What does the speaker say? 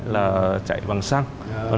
là chạy bằng xăng